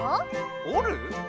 おる？